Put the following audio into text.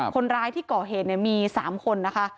คนร้ายที่ก่อเหตุมี๓คนนะคะ